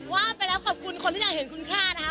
ว่าไปแล้วขอบคุณคนที่อยากเห็นคุณค่านะคะ